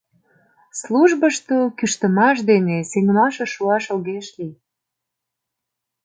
«Службышто кӱштымаш дене сеҥымашыш шуаш огеш лий.